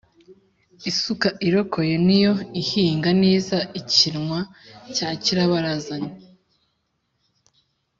Isuka irokoye ni yo ihinga neza-Ikinwa cya Nyirabarazana.